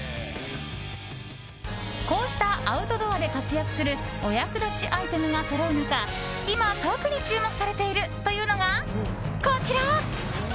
こうしたアウトドアで活躍するお役立ちアイテムがそろう中今、特に注目されているというのがこちら。